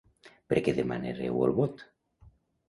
Per què demanareu el vot?